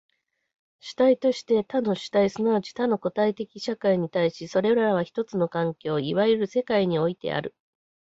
主体として他の主体即ち他の個別的社会に対し、それらは一つの環境、いわゆる世界においてある。